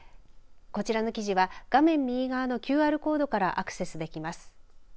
こちらの記事は画面右側のＱＲコードからアクセスできます。